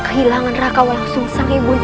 kehilangan raka walang sengsara ibu ndang